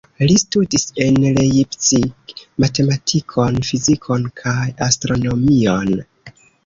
Li studis en Leipzig matematikon, fizikon kaj astronomion.